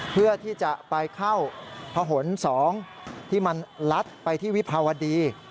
เพื่อที่จะไปเข้าพะหน๒ที่มันลัดไปที่วิภาวดี